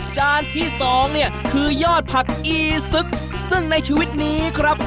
จานที่สองเนี่ยคือยอดผักอีซึกซึ่งในชีวิตนี้ครับ